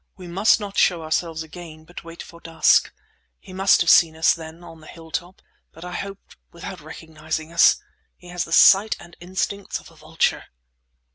"We must not show ourselves again, but wait for dusk. He must have seen us, then, on the hilltop, but I hope without recognizing us. He has the sight and instincts of a vulture!"